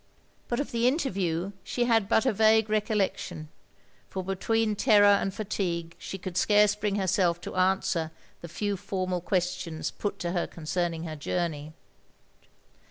But of the interview she had but a vague re collection, for between terror and fatigue she could scarce bring herself to answer the few formal questions put to her concerning her jotimey.